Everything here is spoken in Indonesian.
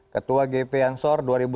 ketua gp ansor